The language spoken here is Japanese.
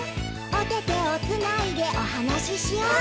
「おててをつないでおはなししよう」